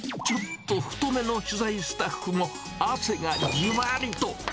ちょっと太めの取材スタッフも、汗がじわりと。